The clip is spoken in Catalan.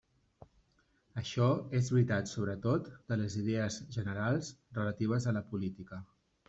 Això és veritat sobretot de les idees generals relatives a la política.